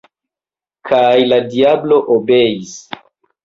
» kaj la diablo obeis.